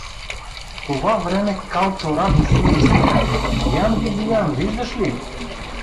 В това време Калчо радостно извика: — Ян Бибиян, виждаш ли?